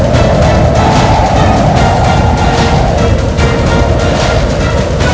semoga allah selalu melindungi kita